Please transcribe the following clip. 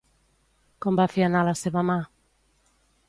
Com va fer anar la seva mà?